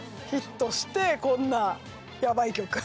ヒットしてこんなヤバい曲。